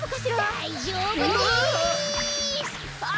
だいじょうぶです！